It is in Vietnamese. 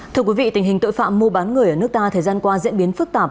thưa quý vị tình hình tội phạm mua bán người ở nước ta thời gian qua diễn biến phức tạp